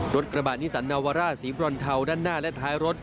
กระบะนิสันนาวาร่าสีบรอนเทาด้านหน้าและท้ายรถ